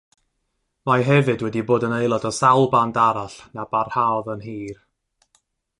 Mae hefyd wedi bod yn aelod o sawl band arall na barhaodd yn hir.